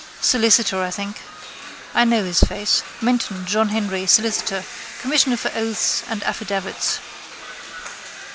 Solicitor, I think. I know his face. Menton, John Henry, solicitor, commissioner for oaths and affidavits.